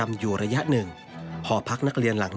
ทั้งสองพระองค์ทั้งสองพระองค์ทั้งสองพระองค์